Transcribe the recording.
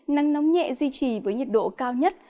nắng nóng nhẹ duy trì với nhiệt độ cao nhất